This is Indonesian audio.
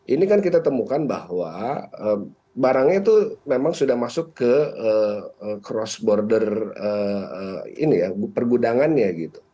ini kan kita temukan bahwa barangnya itu memang sudah masuk ke cross border pergudangannya